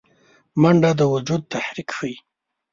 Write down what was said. منډه د وجود تحرک ښيي